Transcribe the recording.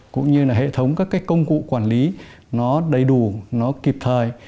cũng như là hệ thống các cái công cụ quản lý nó đầy đủ nó kịp thời